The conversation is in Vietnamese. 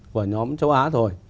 của nhóm châu á rồi